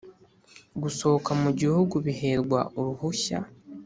gusohoka mu gihugu biherwa uruhushya